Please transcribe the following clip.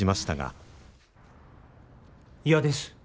嫌です。